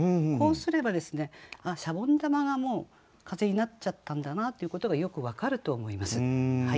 こうすれば石鹸玉がもう風になっちゃったんだなということがよく分かると思います。